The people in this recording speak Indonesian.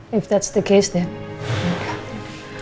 kalau itu kesannya maka